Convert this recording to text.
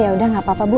ya udah gak apa apa bu